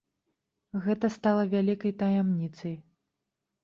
Гэта стала вялікай таямніцай.